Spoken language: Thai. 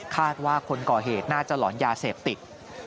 คาดว่าคนก่อเหตุน่าจะหลอนยาเสพติก